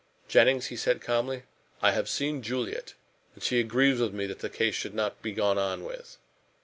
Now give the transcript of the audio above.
"Jennings," he said calmly, "I have seen Juliet, and she agrees with me that this case should not be gone on with."